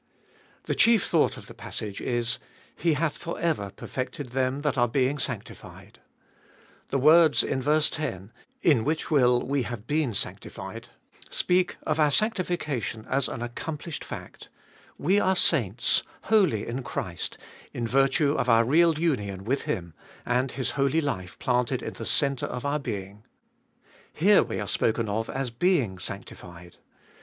The chief thought of the passage is : He hath for ever perfected them that are being sanctified. The words in ver. 10, In which will we have been sanctified, speak of our sancti fication as an accomplished fact : we are saints, holy in Christ, in virtue of our real union with Him, and His holy life planted in the centre of our being. Here we are spoken of as being sanctified.